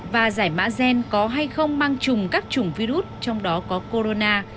và giải mã gen có hay không mang chùm các chủng virus trong đó có corona